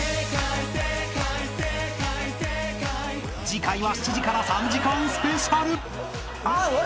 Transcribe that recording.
［次回は７時から３時間スペシャル］